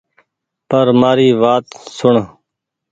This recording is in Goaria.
پر مآري وآت سوڻ